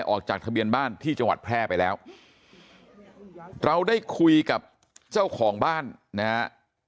ออกจากทะเบียนบ้านที่จังหวัดแพร่ไปแล้วเราได้คุยกับเจ้าของบ้านนะฮะ